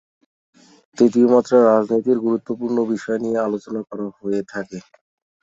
তৃতীয় মাত্রা রাজনীতির গুরুত্বপূর্ণ বিষয় নিয়ে আলোচনা করা হয়ে থাকে।